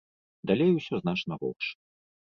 Далей усё значна горш.